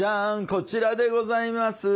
こちらでございます。